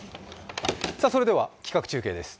それでは企画中継です。